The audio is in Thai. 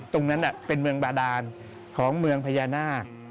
ตรงนั้นเป็นเมืองบาดานของเมืองพญานาค